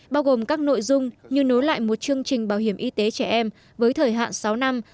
bao gồm các nội dung như nối lại một chương trình bảo hiểm y tế trẻ em với thời hạn sáu năm